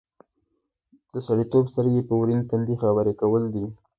د سړیتوب سترګې په ورین تندي خبرې کول دي.